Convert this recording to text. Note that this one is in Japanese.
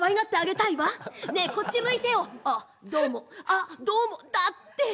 あっどうもだって。